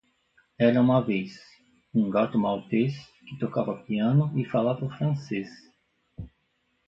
Era uma vez, um gato maltês que tocava piano e falava francês.